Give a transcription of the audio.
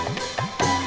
kamu masih perut di sini